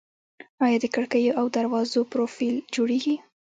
آیا د کړکیو او دروازو پروفیل جوړیږي؟